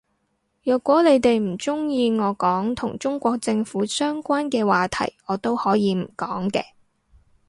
若果你哋唔鍾意我講同中國政府相關嘅話題我都可以唔講嘅